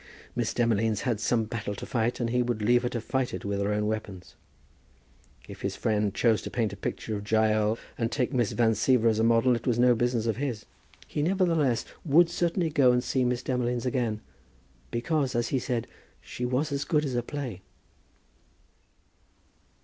Miss Demolines had some battle to fight, and he would leave her to fight it with her own weapons. If his friend chose to paint a picture of Jael, and take Miss Van Siever as a model, it was no business of his. Nevertheless he would certainly go and see Miss Demolines again, because, as he said, she was as good as a play.